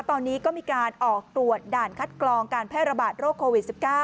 ตอนนี้ก็มีการออกตรวจด่านคัดกรองการแพร่ระบาดโรคโควิด๑๙